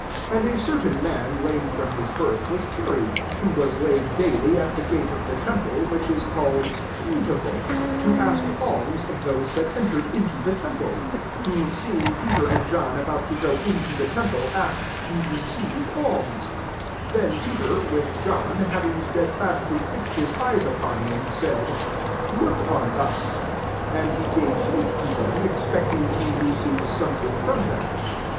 2 \xA a certain man, lame from us birth, was carried ; who was aid dsdly at the gate of the Ample, which is called Beauti iil, to ask alms of those that entered into the temple: 3 who, feeing Peter and John about to go into the temple, asked [/o receive^ almsl 4 Then Peter, with Jonn, having stedfastly fix ed his eyes upon him> said, " Look on us." 5 And he g^ve heed to them, expecting to re ceive something from them.